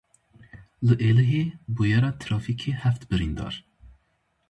Li Êlihê bûyera trafîkê heft birîndar.